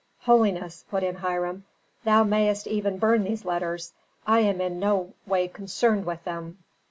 "Holiness," put in Hiram, "thou mayst even burn these letters. I am in no way concerned with them."